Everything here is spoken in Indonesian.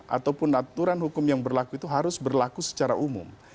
ataupun aturan hukum yang berlaku itu harus berlaku secara umum